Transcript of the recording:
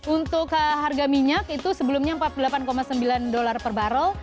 untuk harga minyak itu sebelumnya empat puluh delapan sembilan dolar per barrel